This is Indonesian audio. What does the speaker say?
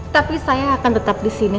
tapi saya akan tetap disini